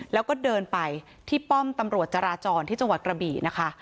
แล้วก็เดินไปที่ป้อมตำรวจจราจรที่จังหวัดกระบี่นะคะ